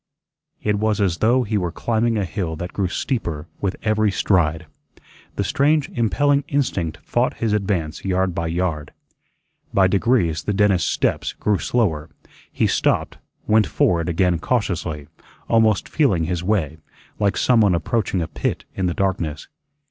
It was as though he were climbing a hill that grew steeper with every stride. The strange impelling instinct fought his advance yard by yard. By degrees the dentist's steps grew slower; he stopped, went forward again cautiously, almost feeling his way, like someone approaching a pit in the darkness.